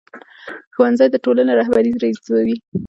ښوونځی د ټولنې رهبري روزي